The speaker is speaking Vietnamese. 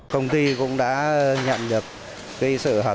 công ty cũng đã nhận nhập cái sự hợp